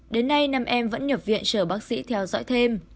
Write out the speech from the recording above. đến nay năm em vẫn nhập viện chờ bác sĩ theo dõi thêm